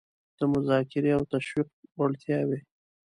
د مذاکرې او تشویق وړتیاوې